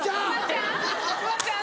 フワちゃん。